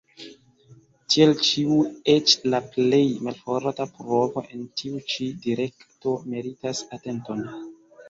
Tial ĉiu eĉ la plej malforta provo en tiu ĉi direkto meritas atenton.